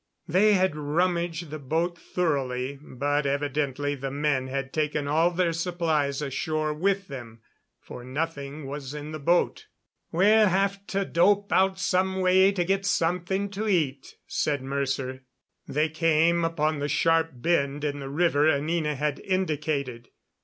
They had rummaged the boat thoroughly, but evidently the men had taken all their supplies ashore with them, for nothing was in the boat. "We'll have to dope out some way to get something to eat," said Mercer. They came upon the sharp bend in the river Anina had indicated.